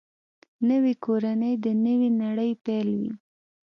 نوې کورنۍ د نوې نړۍ پیل وي